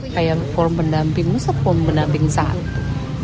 kayak form pendamping musuh form pendamping satu